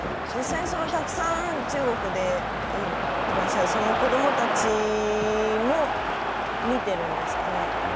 実際たくさん中国にいらっしゃる子どもたちも見ているんですかね。